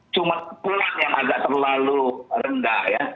cuma pelan yang agak terlalu rendah